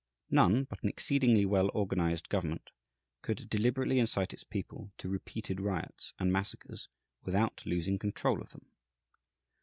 None but an exceedingly well organized government could deliberately incite its people to repeated riots and massacres without losing control of them.